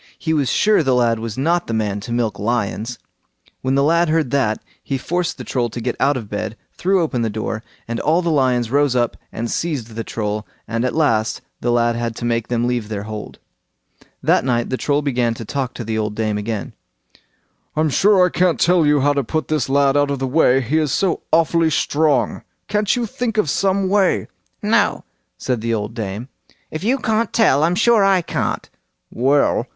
He was sure the lad was not the man to milk lions. When the lad heard that, he forced the Troll to get out of bed, threw open the door, and all the lions rose up and seized the Troll, and at last the lad had to make them leave their hold. That night the Troll began to talk to the old dame again. "I'm sure I can't tell how to put this lad out of the way—he is so awfully strong; can't you think of some way? "No," said the old dame, "if you can't tell, I'm sure I can't." "Well!"